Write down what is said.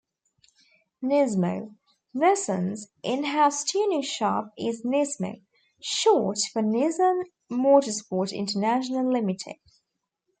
Nismo: Nissan's in-house tuning shop is Nismo, short for Nissan Motorsport International Limited.